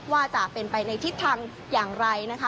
ว่าจะเป็นไปในทิศทางอย่างไรนะคะ